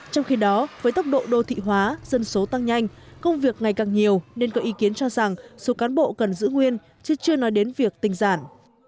trong khi đó với tốc độ đô thị hóa dân số tăng nhanh công việc ngày càng nhiều nên có ý kiến cho rằng số cán bộ cần giữ nguyên chứ chưa nói đến việc tình giản